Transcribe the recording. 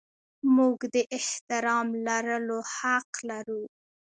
موږ د احترام لرلو حق لرو.